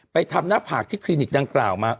ทำหน้าผากที่คลินิกดังกล่าวมา